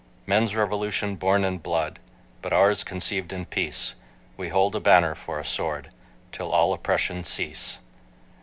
Men's revolution born in blood, But ours conceived in peace, We hold a banner for a sword, Till all oppression cease.